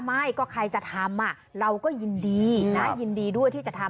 ไม่ก็ใครจะทำเราก็ยินดีนะยินดีด้วยที่จะทำ